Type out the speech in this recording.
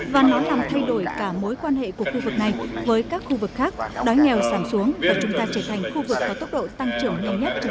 và nó làm thay đổi cả mối quan hệ của khu vực này với các khu vực khác đói nghèo sảm xuống và chúng ta trở thành khu vực có tốc độ tăng trưởng nhanh nhất trên thế giới